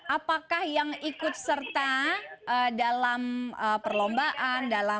apakah yang ikut serta dalam perlombaan dalam